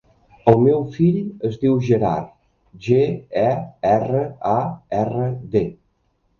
El meu fill es diu Gerard: ge, e, erra, a, erra, de.